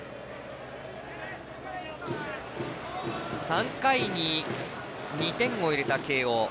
３回に２点を入れた慶応。